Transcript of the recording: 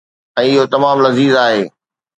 ۽ اهو تمام لذيذ آهي.